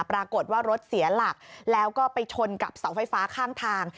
ปรากฏว่ารถเสียหลักแล้วก็ไปชนกับเสาไฟฟ้าข้างทาง